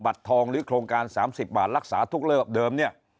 บัตรทองหรือโครงการ๓๐บาทรักษาทุกเริ่มเดิม